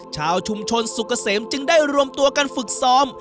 ชาวชุมชนสุกเกษมจึงได้รวมตัวกันฝึกซ้อม